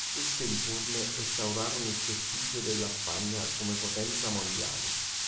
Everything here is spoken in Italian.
Queste riforme restaurarono il prestigio della Spagna come potenza mondiale.